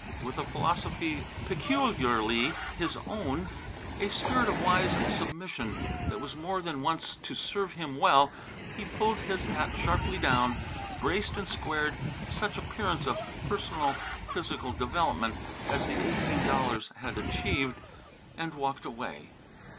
With a philosophy peculiarly his own, a spirit of wise submission that was more than once to serve him well, he pulled his hat sharply down, braced and squared such appearance of perfect physical development as the eighteen dollars had achieved, and walked away.